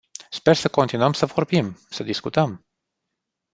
Sper să continuăm să vorbim, să discutăm.